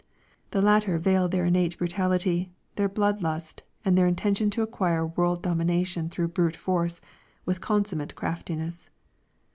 The latter veiled their innate brutality, their blood lust, and their intention to acquire world domination through brute force, with consummate craftiness.